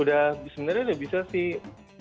udah sebenarnya udah bisa sih